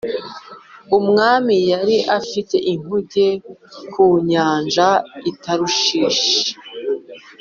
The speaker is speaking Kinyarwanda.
Umwami yari afite inkuge ku nyanja i tarushishi